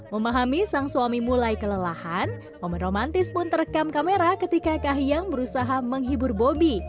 memahami sang suami mulai kelelahan momen romantis pun terekam kamera ketika kahiyang berusaha menghibur bobi